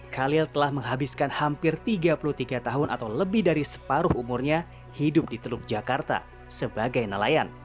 khalil telah menghabiskan hampir tiga puluh tiga tahun atau lebih dari separuh umurnya hidup di teluk jakarta sebagai nelayan